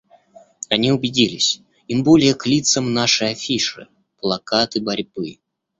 Они убедились — им более к лицам наши афиши, плакаты борьбы.